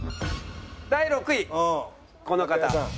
第６位この方。